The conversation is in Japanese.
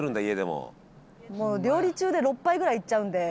もう料理中で６杯ぐらいいっちゃうんで。